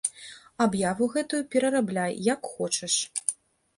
Аб'яву гэтую перарабляй, як хочаш.